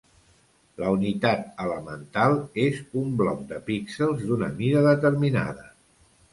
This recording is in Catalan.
La unitat elemental és un bloc de píxels d'una mida determinada.